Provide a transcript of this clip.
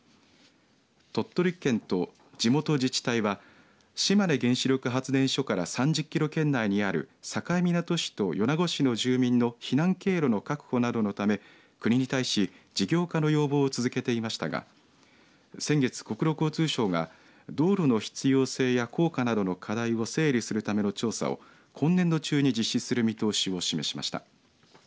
鳥取県と地元自治体は島根原子力発電所から３０キロ圏内にある境港市と米子市の住民の避難経路の確保などのため国に対し事業化の要望を続けていましたが先月、国土交通省が道路の必要性や効果などの課題を整理するための調査を今年度中に実施する見通しを示しました。